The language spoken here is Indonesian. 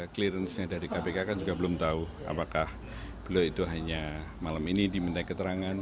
clearance nya dari kpk kan juga belum tahu apakah beliau itu hanya malam ini diminta keterangan